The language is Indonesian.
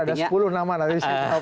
mungkin ada sepuluh nama tadi